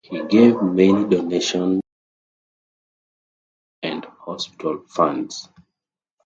He gave many donations to church and hospital funds.